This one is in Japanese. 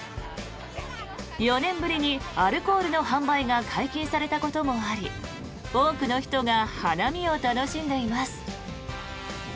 ４年ぶりにアルコールの販売が解禁されたこともあり多くの人が花見を楽しんでいます。